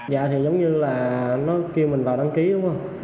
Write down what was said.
dạ thì giống như là nó kêu mình vào đăng ký đúng không